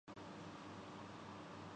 شاید گاؤں کے تمام لوگ سو چکے تھے